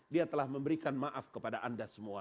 dia telah memberikan maaf kepada anda semua